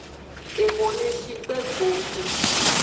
Eho le ngshi gbe go.